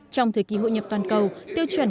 trong thời kỳ hội nhập toàn cầu